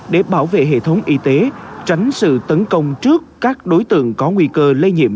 để bảo vệ hệ thống y tế tránh sự tấn công trước các đối tượng có nguy cơ lây nhiễm